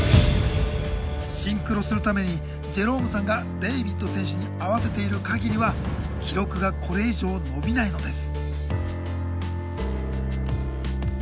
シンクロするためにジェロームさんがデイビッド選手に合わせている限りは記録がこれ以上伸びないのです。